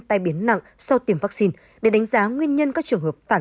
tai biến nặng sau tiêm vaccine để đánh giá nguyên nhân các trường hợp phản